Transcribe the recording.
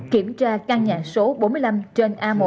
kiểm tra căn nhà số bốn mươi năm trên a một